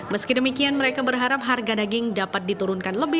meski demikian mereka berharap harga daging sapi di surabaya tidak akan berubah